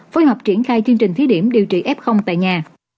phối hợp triển khai chương trình thí điểm điều trị f tại nhà